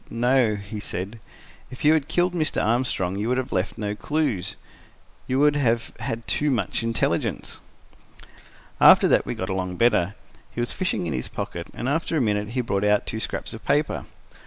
"No," he said. "If you had killed Mr. Armstrong, you would have left no clues. You would have had too much intelligence." After that we got along better. He was fishing in his pocket, and after a minute he brought out two scraps of paper.